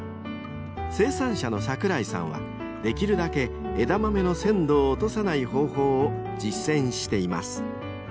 ［生産者の櫻井さんはできるだけエダマメの鮮度を落とさない方法を実践しています］